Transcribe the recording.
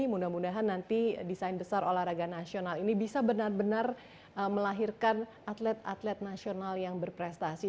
mudah mudahan nanti desain besar olahraga nasional ini bisa benar benar melahirkan atlet atlet nasional yang berprestasi